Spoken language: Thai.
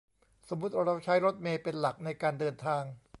สมมติเราใช้รถเมล์เป็นหลักในการเดินทาง